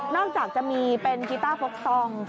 นอกจากจะมีเป็นกีต้าพกทอง